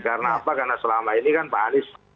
karena apa karena selama ini kan pak anies